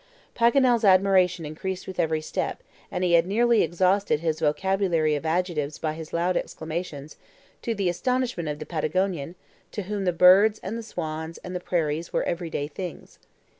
Paganel's admiration increased with every step, and he had nearly exhausted his vocabulary of adjectives by his loud exclamations, to the astonishment of the Patagonian, to whom the birds, and the swans, and the prairies were every day things.